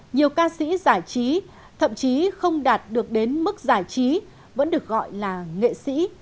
nhiều ca sĩ giải trí thậm chí không đạt được đến mức giải trí vẫn được gọi là nghệ sĩ